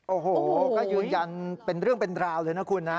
โอ้โหก็ยืนยันเป็นเรื่องเป็นราวเลยนะคุณนะ